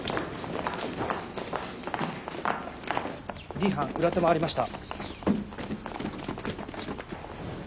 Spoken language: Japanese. Ｄ班裏手回りました。